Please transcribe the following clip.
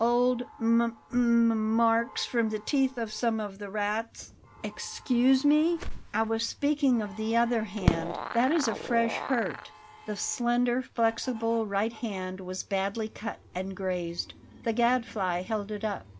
"Old m m marks from the teeth of some of the rats." "Excuse me; I was speaking of the other hand. That is a fresh hurt." The slender, flexible right hand was badly cut and grazed. The Gadfly held it up.